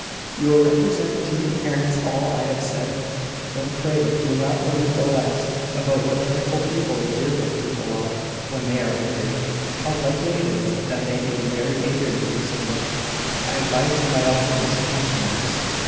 "You will represent to your parents all I have said? Then, pray, do not omit the last, about what dreadful people the Deerbrook people are when they are angry; and how likely it is that they may be very angry with you some day. I advise you by all means to mention this."